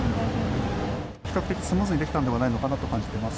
比較的スムーズにできたんではないかなと感じています。